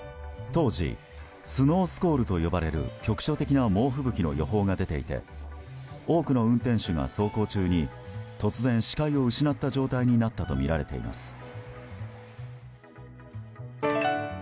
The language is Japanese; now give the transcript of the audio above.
当時、スノースコールと呼ばれる局所的な猛吹雪の予報が出ていて多くの運転手が走行中に突然、視界を失った状態になったとみられています。